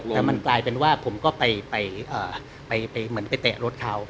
แต่มันกลายเป็นว่าผมก็ไปเหมือนไปเตะรถเขา